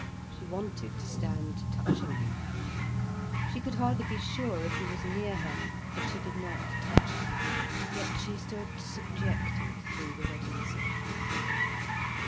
She wanted to stand touching him. She could hardly be sure he was near her, if she did not touch him. Yet she stood subjected through the wedding service.